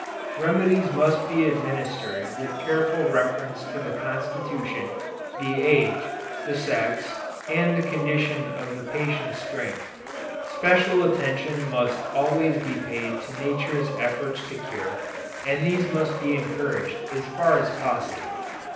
Remedies must be administered with careful reference to the constitution, the age, the sex, and the condition of the patient's strength. Special attention must always be paid to nature's efforts to cure, and these must be encouraged as far as possible.